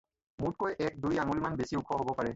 মোতকৈ দুই একাঙুল বেচি ওখ হ'ব পাৰে।